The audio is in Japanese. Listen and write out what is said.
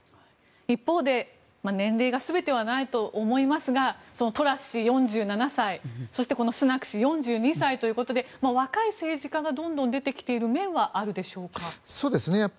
一方で年齢が全てではないと思いますがトラス氏、４７歳そしてスナク氏、４２歳ということで若い政治家がどんどん出てきている面はあるでしょうか。